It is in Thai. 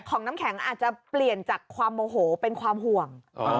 น้ำแข็งอาจจะเปลี่ยนจากความโมโหเป็นความห่วง